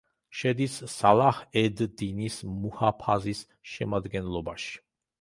შედის სალაჰ-ედ-დინის მუჰაფაზის შემადგენლობაში.